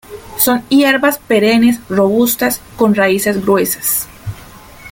Son hierbas perennes robustas con raíces gruesas.